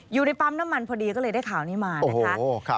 อยู่ในปั๊มน้ำมันพอดีก็เลยได้ข่าวนี้มานะคะ